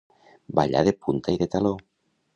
Ballar de punta i de taló.